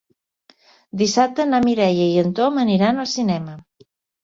Dissabte na Mireia i en Tom aniran al cinema.